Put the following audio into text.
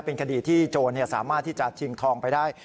เป็นคดีที่โจรสามารถที่จะชิงทองไปได้